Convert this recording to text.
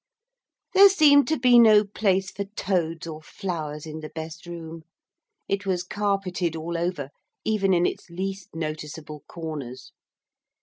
There seemed to be no place for toads or flowers in the best room, it was carpeted all over even in its least noticeable corners.